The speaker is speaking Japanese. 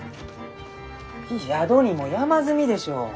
宿にも山積みでしょう？